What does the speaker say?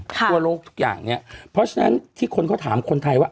ทั่วโลกทุกอย่างเนี่ยเพราะฉะนั้นที่คนเขาถามคนไทยว่า